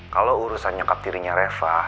kalau urusan nyokap dirinya reva